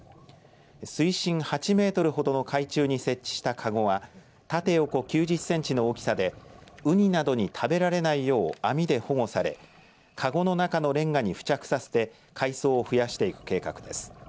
水深８メートルほどの海中に設置したかごは縦横９０センチの大きさでうになどに食べられないよう網で保護されかごの中のレンガに付着させて海藻を増やしていく計画です。